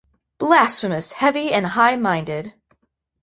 Blasphemous, heavy and high-minded.